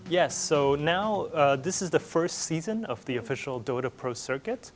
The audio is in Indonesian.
ya jadi sekarang ini adalah perang pertama dari dota pro circuit